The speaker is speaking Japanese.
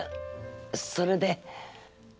それで。